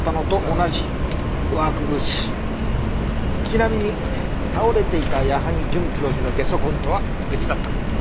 ちなみに倒れていた矢萩准教授のゲソ痕とは別だった。